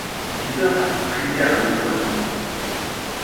Diese hat primäre Bedeutung.